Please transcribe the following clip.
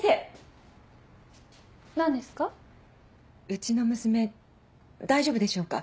うちの娘大丈夫でしょうか？